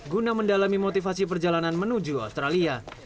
guna mendalami motivasi perjalanan menuju australia